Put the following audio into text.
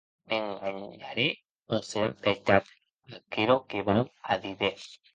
M’enganharè o serà vertat aquerò que vau a díder?